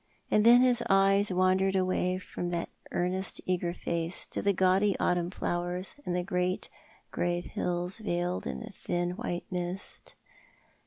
And then his eyes wandered away from that earnest, eager face to the gaudy autumn flowers and the great grave hills veiled in thin white mist.